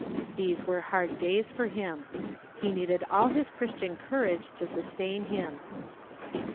These were hard days for him. He needed all his Christian courage to sustain him.